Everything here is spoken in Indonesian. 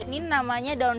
ini namanya daun